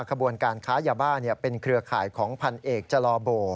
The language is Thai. ขบวนการค้ายาบ้าเป็นเครือข่ายของพันเอกจลอโบ